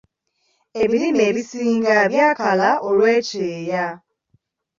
Ebirime ebisinga byakala olw'ekyeya.